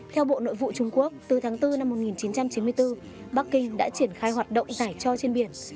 theo bộ nội vụ trung quốc từ tháng bốn năm một nghìn chín trăm chín mươi bốn bắc kinh đã triển khai hoạt động giải cho trên biển